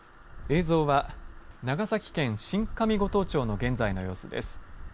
映像は長崎県新上五島町の現在の様子です。